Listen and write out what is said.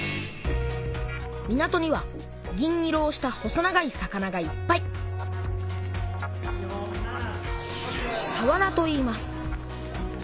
港には銀色をした細長い魚がいっぱいさわらといいます。